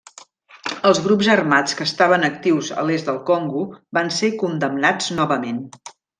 Els grups armats que estaven actius a l'est del Congo van ser condemnats novament.